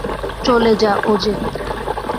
চলে যা, ওজে।